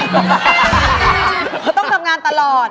เขาต้องทำงานตลอด